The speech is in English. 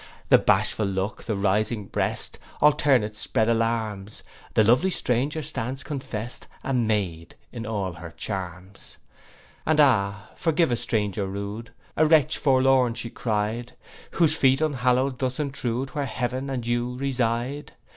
The bashful look, the rising breast, Alternate spread alarms: The lovely stranger stands confest A maid in all her charms. 'And, ah, forgive a stranger rude, A wretch forlorn,' she cry'd; 'Whose feet unhallowed thus intrude Where heaven and you reside.